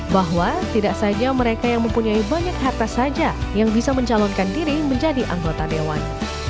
bahwa tidak saja mereka yang mempunyai banyak harta saja yang bisa mencalonkan diri menjadi anggota dewan